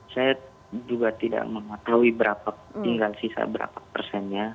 saya juga tidak mengetahui tinggal sisa berapa persennya